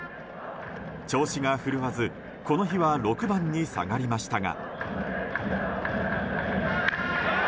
調子が振るわずこの日は６番に下がりましたが。